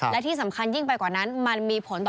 และที่สำคัญยิ่งไปกว่านั้นมันมีผลต่อ